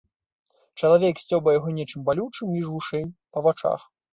Чалавек сцёбае яго нечым балючым між вушэй, па вачах.